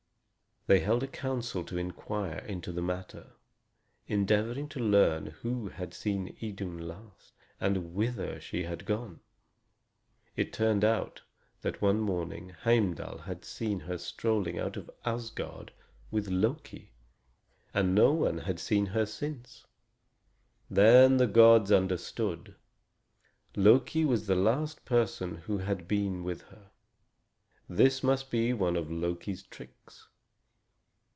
They held a council to inquire into the matter, endeavoring to learn who had seen Idun last, and whither she had gone. It turned out that one morning Heimdal had seen her strolling out of Asgard with Loki, and no one had seen her since. Then the gods understood; Loki was the last person who had been with her this must be one of Loki's tricks.